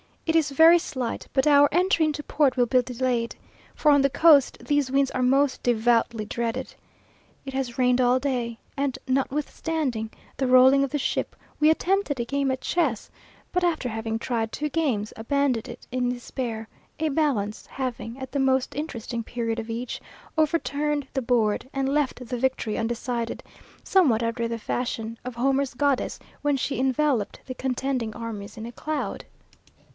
It is very slight, but our entry into port will be delayed, for, on the coast, these winds are most devoutly dreaded. It has rained all day, and, notwithstanding the rolling of the ship, we attempted a game at chess, but after having tried two games, abandoned it in despair, a "balance" having, at the most interesting period of each, overturned the board, and left the victory undecided, somewhat after the fashion of Homer's goddess, when she enveloped the contending armies in a cloud.